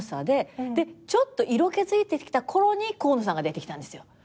でちょっと色気づいてきたころに河野さんが出てきたんですよ。